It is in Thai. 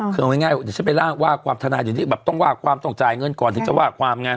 คือเอาง่ายว่าความทนายอย่างนี้แบบต้องว่าความต้องจ่ายเงินก่อนถึงจะว่าความไง